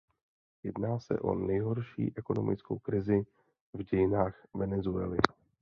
Jedná se o nejhorší ekonomickou krizi v dějinách Venezuely.